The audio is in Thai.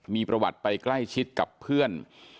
มีประวัติไปใกล้ชิดกับเพื่อน